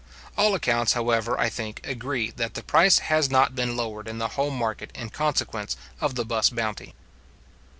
All accounts, however, I think, agree that the price has not been lowered in the home market in consequence of the buss bounty.